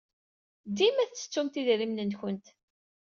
Dima tettettumt idrimen-nwent.